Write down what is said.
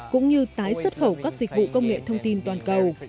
cũng như tái xuất khẩu các dịch vụ công nghệ thông tin toàn cầu